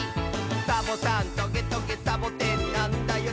「サボさんトゲトゲサボテンなんだよ」